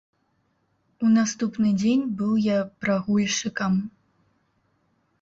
У наступны дзень быў я прагульшчыкам.